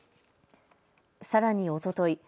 さらにおととい